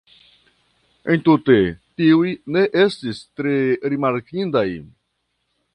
Entute, tiuj ne estis tre rimarkindaj.